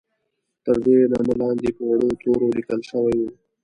تر دې نامه لاندې په وړو تورو لیکل شوي وو.